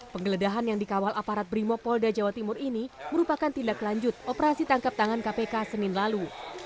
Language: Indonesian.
penggeledahan yang dikawal aparat brimopolda jawa timur ini merupakan tindak lanjut operasi tangkap tangan kpk senin lalu